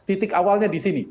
titik awalnya disini